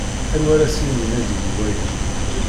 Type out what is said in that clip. Anwa ara as-yinin ad d-yili waya.